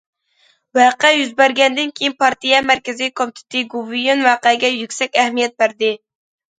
ۋەقە يۈز بەرگەندىن كېيىن پارتىيە مەركىزىي كومىتېتى، گوۋۇيۈەن ۋەقەگە يۈكسەك ئەھمىيەت بەردى.